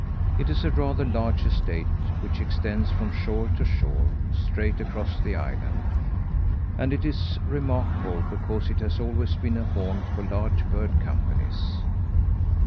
It is a rather large estate which extends from shore to shore, straight across the island; and it is remarkable because it has always been a haunt for large bird companies.